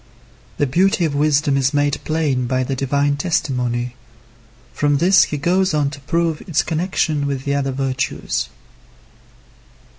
The beauty of wisdom is made plain by the divine testimony. From this he goes on to prove its connection with the other virtues.